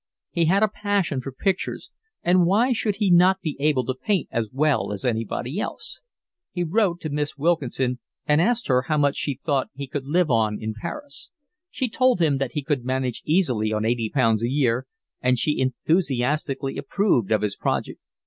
He had a passion for pictures, and why should he not be able to paint as well as anybody else? He wrote to Miss Wilkinson and asked her how much she thought he could live on in Paris. She told him that he could manage easily on eighty pounds a year, and she enthusiastically approved of his project.